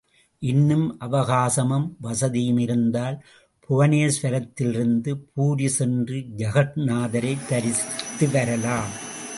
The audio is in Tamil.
இன்னும் அவகாசமும் வசதியும் இருந்தால், புவனேஸ்வரத்திலிருந்து பூரி சென்று ஜகந்நாதரைத் தரிசித்து வரலாம்.